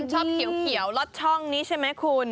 ฉันชอบเขียวรถช่องนี้ใช่ไหมคุณ